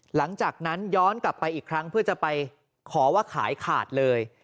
หลังจากนั้นย้อนกลับไปอีกครั้งเพื่อจะไปขอว่าขายขาดเลย